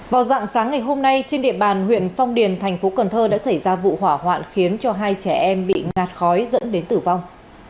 vào dạng sáng ngày hôm nay trên địa bàn huyện phong điền thành phố cần thơ đã xảy ra vụ hỏa hoạn khiến cho hai trẻ em bị ngạt khói dẫn đến tử vong